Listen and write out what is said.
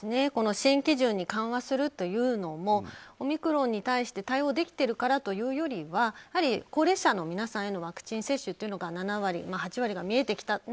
新基準に緩和するというのもオミクロンに対して対応できているからというよりはやはり高齢者の皆さんへのワクチン接種が７割、８割が見えてきた。